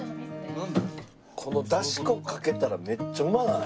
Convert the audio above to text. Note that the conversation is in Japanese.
このだし粉かけたらめっちゃうまない？